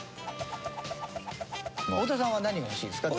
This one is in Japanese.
太田さんは何が欲しいですか？